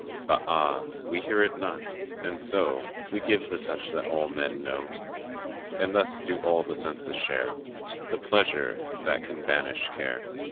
But ah, we hear it not, and so We give the touch that all men know. And thus do all the senses share The pleasure that can banish care.